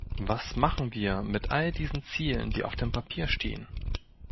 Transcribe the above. Was machen wir mit all diesen Zielen, die auf dem Papier stehen?